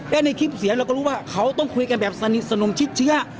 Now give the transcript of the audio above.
และในคลิปเสียงเราก็รู้ว่าเขาต้องคุยกันแบบสนิทสนมชิดเชื้อ